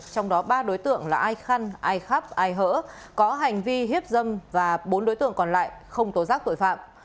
trong đó ba đối tượng là ai khăn ai khắp ai hỡ có hành vi hiếp dâm và bốn đối tượng còn lại không tố giác tội phạm